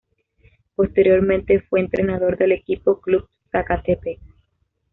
Posteriormente, fue entrenador del equipo Club Zacatepec.